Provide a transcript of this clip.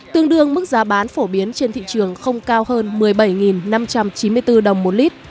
tương đương mức giá bán phổ biến trên thị trường không cao hơn một mươi bảy năm trăm chín mươi bốn đồng một lít